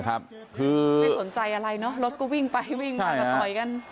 คือไม่สนใจอะไรเนอะรถก็วิ่งไปวิ่งมาก็ต่อยกัน